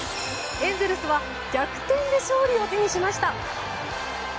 エンゼルスは逆転で勝利を手にしました。